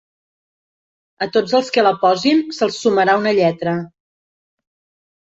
A tots els que la posin, se'ls sumarà una lletra.